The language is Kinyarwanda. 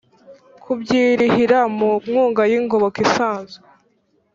kubyirihira mu nkunga y ingoboka isanzwe